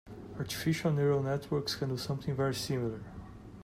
Artificial neural networks can do something very similar.